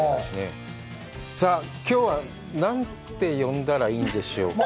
さあ、きょうは何て呼んだらいいんでしょうかね。